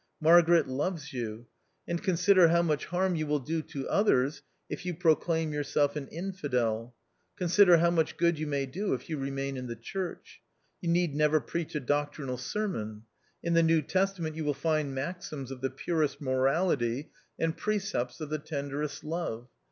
Margaret loves you. And consider how much harm you will do to others if you proclaim your self an infidel ; consider how much good you may do if you remain in the church. You need never preach a doctrinal sermon ; in the New Testament you will find maxims of the purest morality and precepts of the tenderest love.